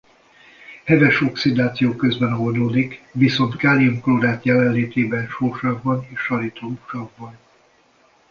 Heves oxidáció közben oldódik viszont kálium-klorát jelenlétében sósavban és salétromsavban.